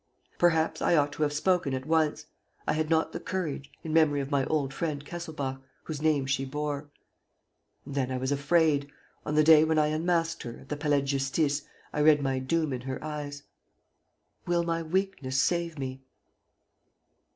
"Perhaps I ought to have spoken at once. I had not the courage, in memory of my old friend Kesselbach, whose name she bore. "And then I was afraid. ... On the day when I unmasked her, at the Palais de Justice, I read my doom in her eyes. "Will my weakness save me?"